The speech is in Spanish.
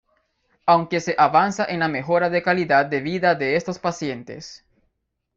Aunque se avanza en la mejora de calidad de vida de estos pacientes.